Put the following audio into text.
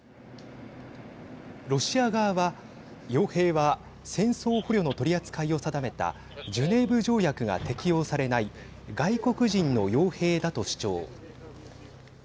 ロシア側はよう兵は戦争捕虜の取り扱いを定めたジュネーブ条約が適用されない外国人のよう兵だと主張。